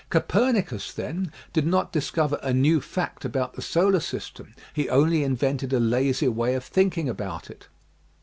Copernicus, then, did not discover a new fact about the solar system. He only invented a lazier way of thinking about it.